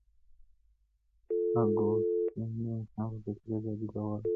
اګوستين د انسان په فطري ازادۍ باور درلود.